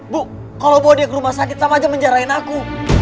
bu kalau bawa dia ke rumah sakit sama aja menjarahin aku